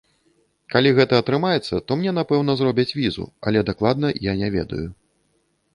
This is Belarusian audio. Калі гэта атрымаецца, то мне, напэўна, зробяць візу, але дакладна я не ведаю.